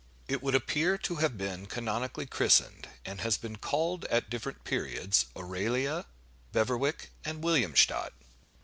It would appear to have been canonically christened, and has been called at different periods Auralia, Beverwyck, and Williamstadt.